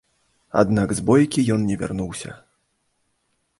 Аднак з бойкі ён не вярнуўся.